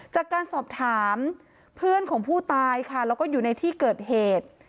จากการสอบถามเพื่อนของผู้ตายค่ะแล้วก็อยู่ในที่เกิดเหตุ